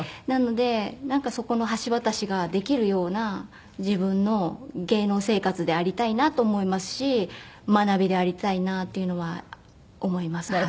なのでなんかそこの橋渡しができるような自分の芸能生活でありたいなと思いますし学びでありたいなっていうのは思います。